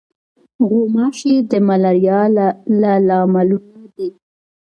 غوماشې د ملاریا له لاملونو دي.